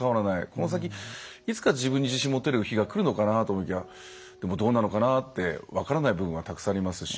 この先、いつか自分に自信を持てる日がくるのかなってでも、どうなのかなって分からない部分がたくさんありますし。